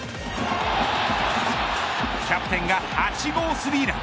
キャプテンが８号３ラン。